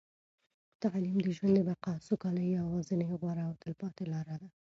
تعلیم د ژوند د بقا او سوکالۍ یوازینۍ، غوره او تلپاتې لاره ده.